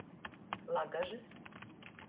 Lagažys.